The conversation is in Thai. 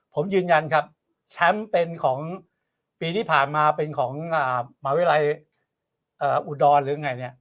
ผมยืนยันครับแชมป์เป็นของปีที่ผ่านมาเป็นของมหาวิทยาลัยอุดรหรือไงเนี่ย